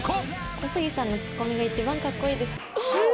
小杉さんのツッコミが一番格好いいです。